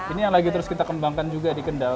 ini yang lagi terus kita kembangkan juga di kendal